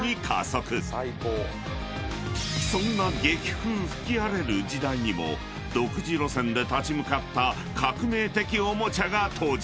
［そんな激風吹き荒れる時代にも独自路線で立ち向かった革命的おもちゃが登場］